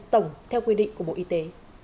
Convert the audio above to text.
tổng theo quy định của bộ y tế